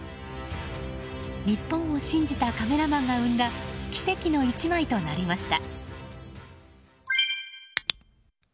日本を信じたカメラマンが生んだ奇跡の１枚となりました。